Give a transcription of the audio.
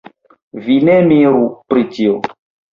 Vi ne miru pri tio.